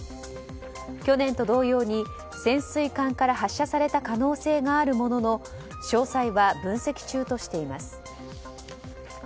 去年と同様に、潜水艦から発射された可能性があるものの詳細は分析中としています。